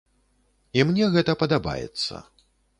І мне гэта падабаецца.